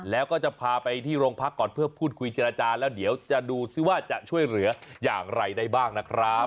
แล้วก็จะพาไปที่โรงพักก่อนเพื่อพูดคุยเจรจาแล้วเดี๋ยวจะดูซิว่าจะช่วยเหลืออย่างไรได้บ้างนะครับ